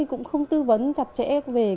cũng không tư vấn chặt chẽ về